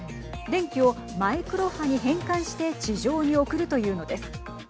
電気をマイクロ波に変換して地上に送るというのです。